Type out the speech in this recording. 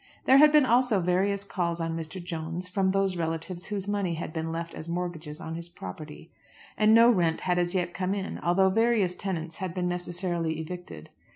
There had been also various calls on Mr. Jones from those relatives whose money had been left as mortgages on his property. And no rent had as yet come in, although various tenants had been necessarily evicted.